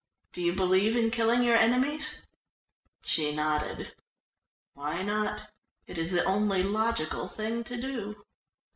"Do you believe in killing your enemies?" She nodded. "Why not? It is the only logical thing to do."